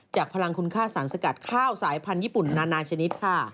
พลังคุณค่าสารสกัดข้าวสายพันธุญญี่ปุ่นนานาชนิดค่ะ